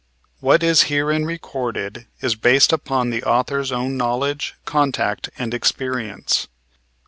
What is herein recorded is based upon the author's own knowledge, contact and experience.